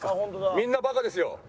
みんなバカですよ。